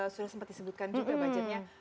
sudah sempat disebutkan juga budgetnya